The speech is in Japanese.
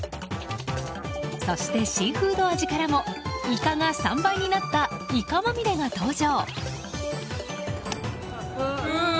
そして、シーフード味からもイカが３倍になったイカまみれが登場。